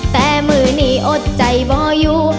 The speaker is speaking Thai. แต่มือนี้อดใจบ่อยู่